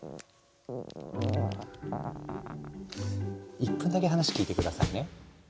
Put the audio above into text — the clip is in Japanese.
１分だけ話聞いて下さいね。